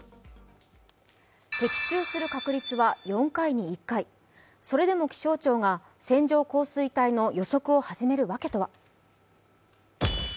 的中する確率は４回に１回それでも気象庁が線状降水帯の予測を始める訳とは？